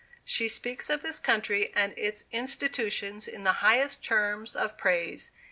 She speaks of this country and its institutions in the highest terms of praise.